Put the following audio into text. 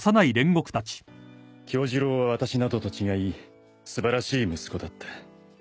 「杏寿郎は私などと違い素晴らしい息子だった」